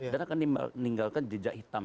dan akan meninggalkan jejak hitam